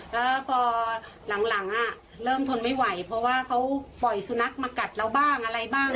แล้วพอหลังเริ่มทนไม่ไหวเพราะว่าเขาปล่อยสุนัขมากัดเราบ้างอะไรบ้าง